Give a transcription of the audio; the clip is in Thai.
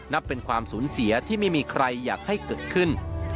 นับเป็นความสูญเสียที่ไม่มีใครอยากให้เกิดขึ้น